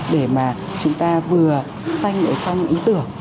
để mà chúng ta vừa xanh ở trong ý tưởng